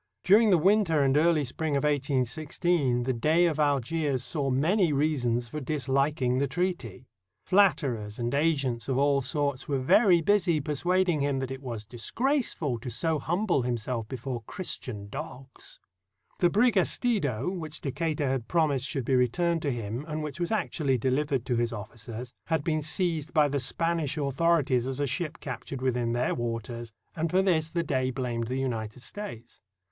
During the winter and early spring of 1816 the Dey of Algiers saw many reasons for disHking the treaty. Flatterers and agents of all sorts were very busy persuading him that it was disgraceful to so humble himself before Christian dogs. The brig Estido, which Decatur had promised should be returned to him, and which was actually delivered to his officers, had been seized by the Spanish authorities as a ship captured within their waters, and for this the Dey blamed the United States.